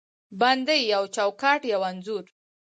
بندې یو چوکاټ، یوه انځور